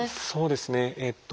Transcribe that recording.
そうですね。